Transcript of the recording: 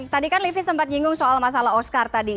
tadi kan livi sempat nyinggung soal masalah oscar tadi